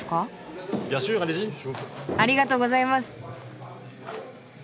ありがとうございます。